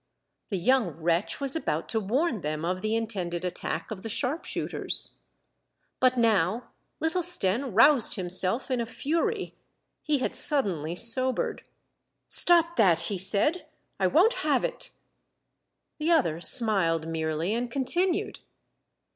The young wretch was about to warn them of the intended attack of the sharpshooters. But now little Stenne roused himself in a fury. He had suddenly sobered. '' Stop that !" he said. '' I won't have it." The other smiled merely and continued.